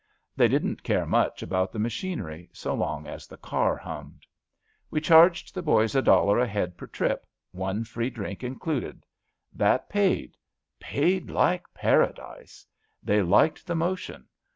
They didn't care much about the machinery, so long as the car hummed. We charged the boys a dollar a head per trip. One free drink included. That paid — paid like — Paradise. They liked the motion.